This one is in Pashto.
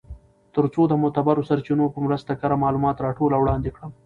تر څو د معتبرو سرچینو په مرسته کره معلومات راټول او وړاندی کړم .